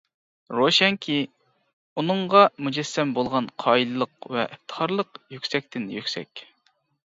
روشەنكى، ئۇنىڭغا مۇجەسسەم بولغان قايىللىق ۋە ئىپتىخارلىق يۈكسەكتىن يۈكسەك.